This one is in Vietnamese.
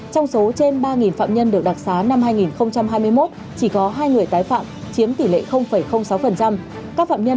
trong số trên ba phạm nhân được đặc sá năm hai nghìn hai mươi một chỉ có hai người tái phạm chiếm tỷ lệ sáu